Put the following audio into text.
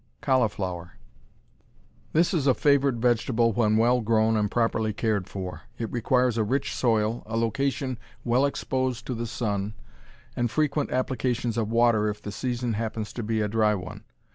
Cauliflower This is a favorite vegetable when well grown and properly cared for. It requires a rich soil, a location well exposed to the sun, and frequent applications of water if the season happens to be a dry one.